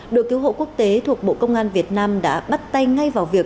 đội cứu hộ quốc tế thuộc bộ công an việt nam đã bắt tay ngay vào việc